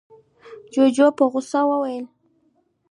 جُوجُو په غوسه وويل: